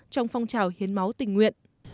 trong phong trào hiến máu tình nguyện